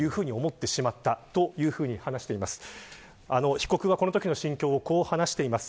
被告はこのときの心境をこう話しています。